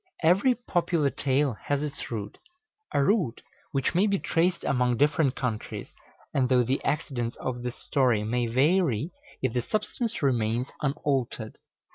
Every popular tale has its root, a root which may be traced among different countries, and though the accidents of the story may vary, yet the substance remains unaltered.